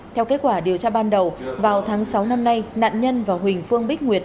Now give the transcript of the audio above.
theo kết quả điều tra ban đầu vào tháng sáu năm nay nạn nhân và huỳnh phương bích nguyệt